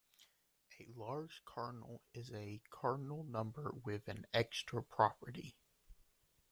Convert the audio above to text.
A large cardinal is a cardinal number with an extra property.